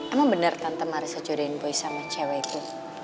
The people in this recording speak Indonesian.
emang bener tantem arissa jodohin boy sama cewek itu